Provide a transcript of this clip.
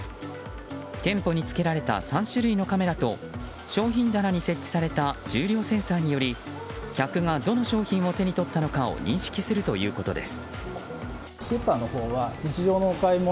店舗につけられた３種類のカメラと商品棚に設置された重量センサーにより客がどの商品を手に取ったのかを認識するということです。